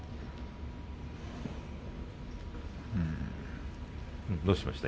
うーん。どうしましたか。